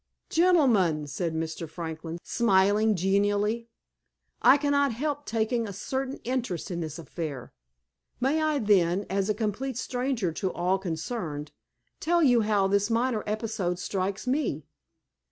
"Gentlemen," said Mr. Franklin, smiling genially, "I cannot help taking a certain interest in this affair. May I, then, as a complete stranger to all concerned, tell you how this minor episode strikes me.